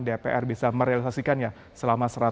dpr bisa merealisasikannya selama